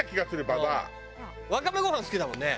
わかめご飯好きだもんね。